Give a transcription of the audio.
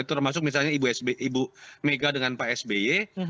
termasuk misalnya ibu mega dengan pak sby